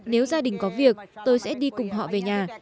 nếu gia đình có việc tôi sẽ đi cùng họ về nhà